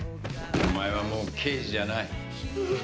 お前はもう刑事じゃない。